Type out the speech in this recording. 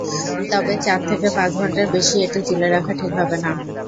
তবে চার থেকে পাঁচ ঘণ্টার বেশি এটি চুলে রাখা ঠিক হবে না।